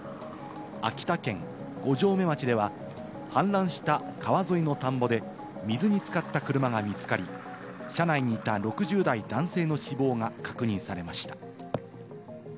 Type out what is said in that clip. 秋田県五城目町では氾濫した川沿いの田んぼで水に浸かった車が見つかり、車内にいた６０代男性の死亡が確認されました。